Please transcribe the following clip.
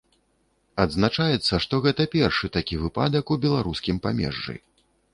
Адзначаецца, што гэта першы такі выпадак у беларускім памежжы.